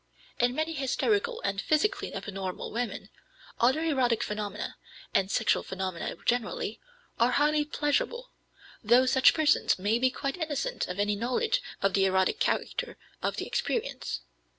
In many hysterical and psychically abnormal women, auto erotic phenomena, and sexual phenomena generally, are highly pleasurable, though such persons may be quite innocent of any knowledge of the erotic character of the experience.